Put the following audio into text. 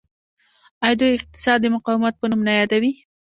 آیا دوی اقتصاد د مقاومت په نوم نه یادوي؟